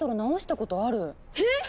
えっ！